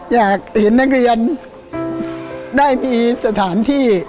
อยากเห็นนักเรียนได้มีสถานที่